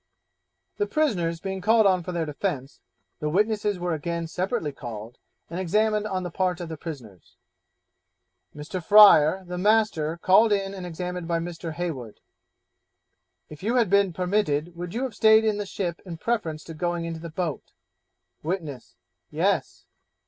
The prisoners being called on for their defence, the witnesses were again separately called and examined on the part of the prisoners. Mr. Fryer, the master, called in and examined by Mr. Heywood. 'If you had been permitted, would you have stayed in the ship in preference to going into the boat?' Witness 'Yes.'